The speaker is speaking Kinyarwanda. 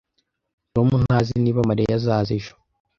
Tom ntazi niba Mariya azaza ejo